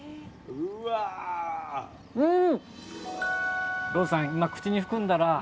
うん。